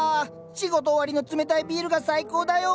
仕事終わりの冷たいビールが最高だよ！